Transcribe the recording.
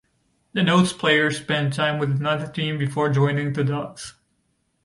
Denotes player spent time with another team before joining the Ducks.